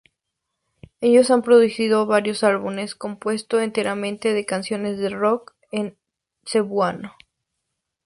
Ellos han producido varios álbumes compuesto enteramente de canciones de rock en Cebuano.